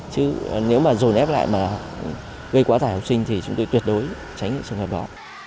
chứ nếu mà dồn ép lại mà gây quá tải học sinh thì chúng tôi tuyệt đối tránh những trường hợp đó